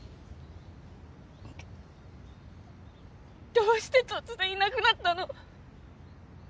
どうして突然いなくなったの？